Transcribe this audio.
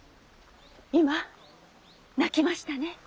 今鳴きましたね！